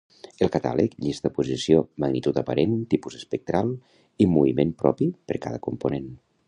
El catàleg llista posició, magnitud aparent, tipus espectral, i moviment propi per cada component.